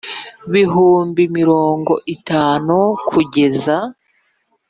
Bihumbi mirongo itanu kugeza